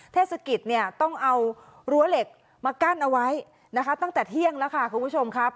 เทศกิจเนี่ยต้องเอารั้วเหล็กมากั้นเอาไว้นะคะตั้งแต่เที่ยงแล้วค่ะคุณผู้ชมครับ